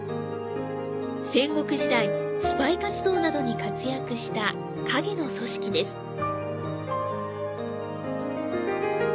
戦国時代スパイ活動などに活躍した影の組織です。